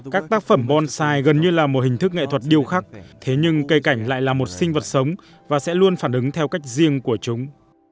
các tác phẩm bonsai gần như là một hình thức nghệ thuật điêu khắc thế nhưng cây cảnh lại là một sinh vật sống và sẽ luôn phản ứng theo cách riêng của chúng